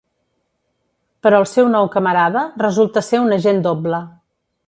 Però el seu nou camarada resulta ser un agent doble.